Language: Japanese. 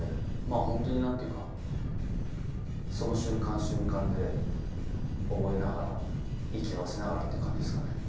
ホントに何ていうかその瞬間瞬間で覚えながら息合わせながらって感じですかね。